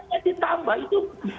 kalau ppn ditambah itu